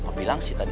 mau bilang sih tadi